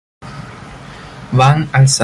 Van al Santuario a matar a Tenma.